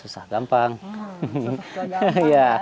susah susah gampang ya